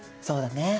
そうだね。